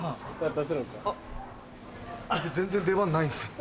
僕全然出番ないんですよ。